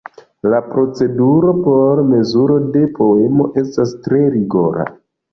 La proceduro por mezuro de poemo estas tre rigora.